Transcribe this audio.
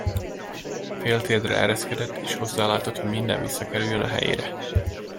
Féltérdre ereszkedett, és hozzálátott, hogy minden visszakerüljön a helyére.